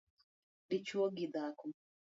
dichwo gi dhako